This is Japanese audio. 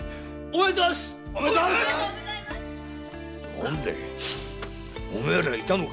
何でえお前らいたのか。